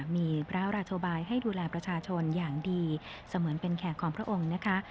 มีพระราชบายให้ดูแลประชาชนอย่างดีเสมือนเป็นแขกของพระองค์นะคะ